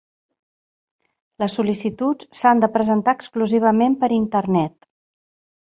Les sol·licituds s'han de presentar exclusivament per Internet.